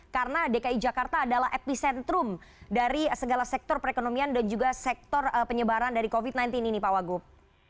karena dki jakarta adalah epicentrum dari segala sektor perekonomian dan juga sektor penyebaran dari covid sembilan belas ini pak wagub